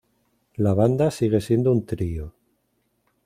La banda sigue siendo un trío.